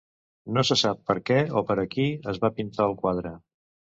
No se sap per què o per a qui es va pintar el quadre.